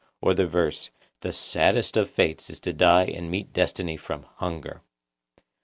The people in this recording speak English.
Or the verse 'The saddest of fates is to die and meet destiny from hunger?